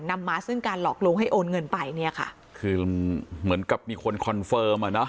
นำมาซึ่งการหลอกลวงให้โอนเงินไปเนี่ยค่ะคือเหมือนกับมีคนคอนเฟิร์มอ่ะเนอ